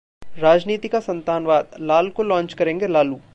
राजनीति का संतानवाद: लाल को लॉन्च करेंगे लालू